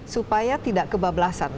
supaya tidak kebablasan